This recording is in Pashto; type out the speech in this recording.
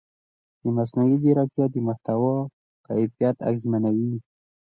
مصنوعي ځیرکتیا د محتوا کیفیت اغېزمنوي.